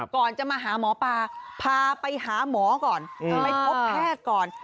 ก่อนจะมาหาหมอปลาพาไปหาหมอก่อนไปพบแพทย์ก่อน